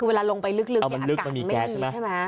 เวลาลงไปลึกอากาศไม่ดีอาตกาน